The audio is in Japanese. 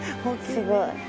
すごい。